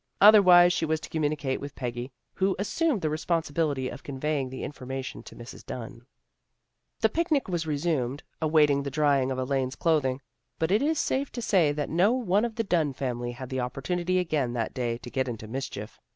Otherwise she was to communicate with Peggy, who assumed the responsibility of conveying the information to Mrs. Dunn. The picnic was resumed, awaiting the drying of Elaine's clothing, but it is safe to say that no one of the Dunn family had the oppor tunity again that day to get into mischief.